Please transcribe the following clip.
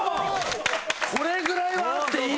これぐらいはあっていいよ。